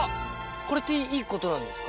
これっていいことなんですか？